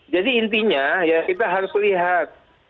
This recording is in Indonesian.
jadi intinya ya kita harus melihat